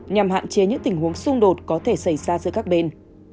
nhằm hạn chế những tình huống xung đột có thể xảy ra giữa các bên